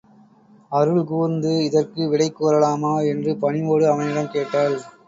அருள் கூர்ந்து இதற்கு விடை கூறலமா? என்று பணிவோடு அவனிடம் கேட்டாள்.